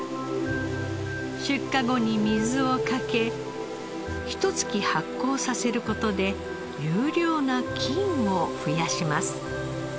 出荷後に水をかけひと月発酵させる事で優良な菌を増やします。